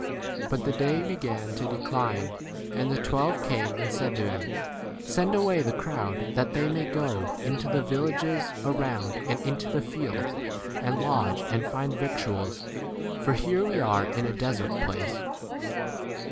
12 But the day began to decline, and the twelve came and said to him, Send away the crowd that they may go k into the villages around and into the fields, and lodge and find victuals, for here we are in a 13 desert place.